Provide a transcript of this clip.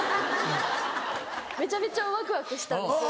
めちゃめちゃワクワクしたんです。